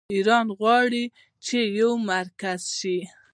ایران غواړي چې یو مرکز شي.